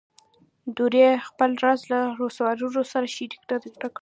دوی خپل راز له روسانو سره شریک نه کړي.